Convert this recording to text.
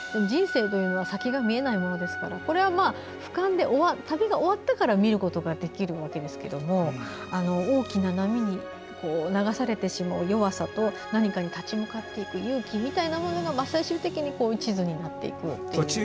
人生というのは先が見えないものですからこれはふかんで旅が終わったから見ることができるわけですけども大きな波に流されてしまう弱さと何かに立ち向かっていく勇気みたいなものが地図になっていくという。